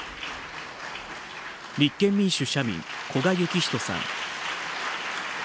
立憲民主・社民、古賀之士さん。